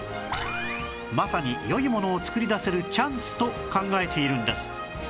まさに良いものを作り出せるチャンスと考えているんです